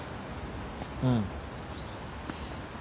うん。